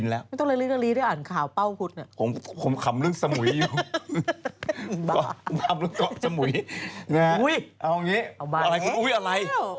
อุ้ยเอาอย่างงี้เอาบ้านอุ้ยอะไร